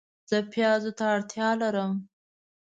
زه پیازو ته اړتیا لرم